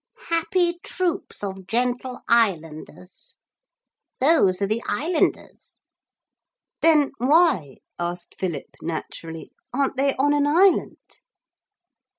'Happy troops Of gentle islanders. Those are the islanders.' 'Then why,' asked Philip naturally, 'aren't they on an island?'